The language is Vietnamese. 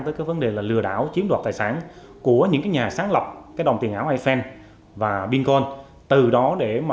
đến tiền ảo chiếm đoạt tài sản của những nhà sáng lọc cái đồng tiền ảo ifen và pincoin từ đó để mà